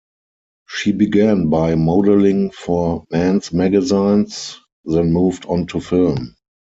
She began by modelling for men's magazines, then moved on to film.